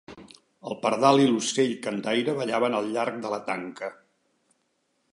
El pardal i l'ocell cantaire ballaven al llarg de la tanca.